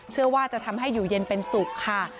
เชื่อว่าจะทำให้อยู่เย็นเป็นสุขค่ะ